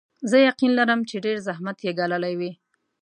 زه یقین لرم چې ډېر زحمت یې ګاللی وي.